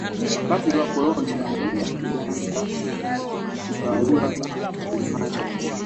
wakati wa ukoloni tanzania ilianza kutawaliwa na wajerumani